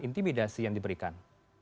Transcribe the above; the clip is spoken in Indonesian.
intimidasi yang diberikan